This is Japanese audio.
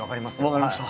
分かりました。